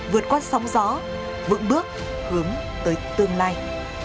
vượt qua sóng gió vững bước hướng tới tương lai